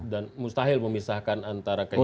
dan mustahil memisahkan antara kehidupan